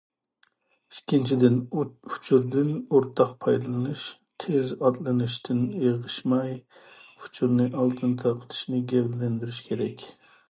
ئىككىنچىدىن، ئۇچۇردىن ئورتاق پايدىلىنىش، تېز ئاتلىنىشتىن ئېغىشماي، ئۇچۇرنى ئالدىن تارقىتىشنى گەۋدىلەندۈرۈش كېرەك.